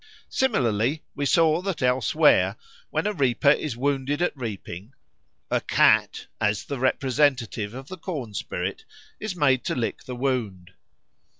Similarly, we saw that elsewhere, when a reaper is wounded at reaping, a cat, as the representative of the corn spirit, is made to lick the wound.